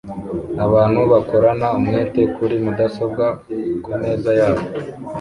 Abantu bakorana umwete kuri mudasobwa ku meza yabo